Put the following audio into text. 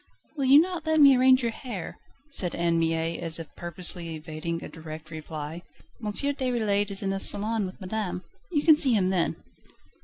"Will you not let me arrange your hair?" said Anne Mie as if purposely evading a direct reply. "M. Déroulède is in the salon with madame. You can see him then."